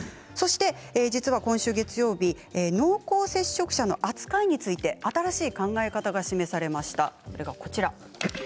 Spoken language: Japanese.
そして実は今週月曜日濃厚接触者の扱いについて新しい考え方が示されました。